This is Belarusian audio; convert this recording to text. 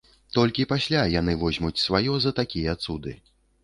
Толькі пасля яны возьмуць сваё за такія цуды.